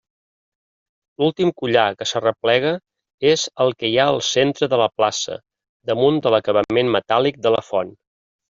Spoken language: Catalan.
L'últim collar que s'arreplega és el que hi ha al centre de la plaça, damunt de l'acabament metàl·lic de la font.